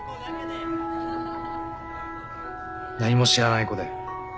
何も知らない子で。